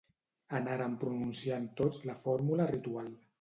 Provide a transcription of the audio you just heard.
Anaren pronunciant tots la fórmula ritual.